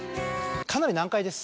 かなり難解です。